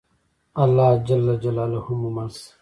الله ج مو مل شه.